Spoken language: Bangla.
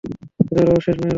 খোদার অশেষ মেহেরবানি।